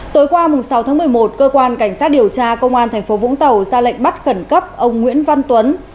tối qua sáu tháng một mươi một cơ quan cảnh sát điều tra công an tp vũng tàu ra lệnh bắt khẩn cấp ông nguyễn văn tuấn